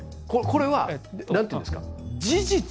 これは何て言うんですか。